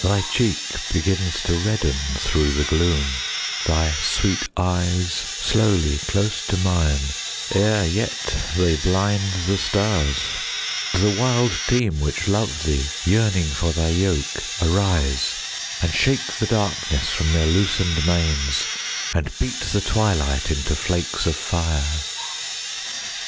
Thy cheek begins to redden thro' the gloom, Thy sweet eyes brighten slowly close to mine, Ere yet they blind the stars, and the wild team Which love thee, yearning for thy yoke, arise, And shake the darkness from their loosen'd manes, And beat the twilight into flakes of fire.